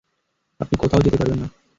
আপনি কোত্থাও যেতে পারবেন না।